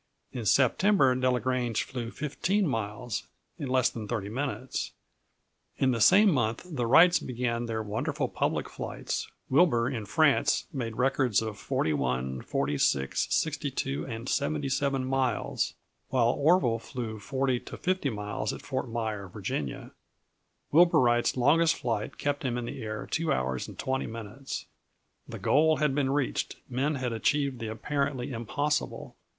In September, Delagrange flew 15 miles in less than 30 minutes. In the same month the Wrights began their wonderful public flights. Wilbur, in France, made records of 41, 46, 62, and 77 miles, while Orville flew from 40 to 50 miles at Fort Myer, Va. Wilbur Wright's longest flight kept him in the air 2 hours and 20 minutes. The goal had been reached men had achieved the apparently impossible.